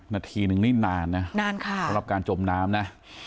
นาทีนึงนี่นานนะนานค่ะสำหรับการจมน้ำนะ